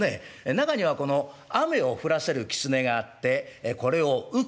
中にはこの雨を降らせる狐があってこれを雨狐。